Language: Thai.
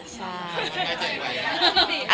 ใช่